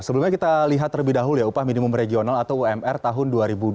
sebelumnya kita lihat terlebih dahulu ya upah minimum regional atau umr tahun dua ribu dua puluh